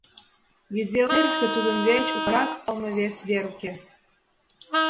Йӱдвел серыште тудын деч утларак палыме вес вер уке.